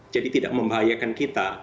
jadi tidak membahayakan kita